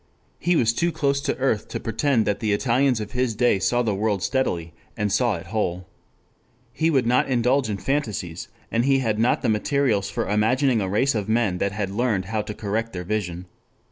He was too close to earth to pretend that the Italians of his day saw the world steadily and saw it whole. He would not indulge in fantasies, and he had not the materials for imagining a race of men that had learned how to correct their vision.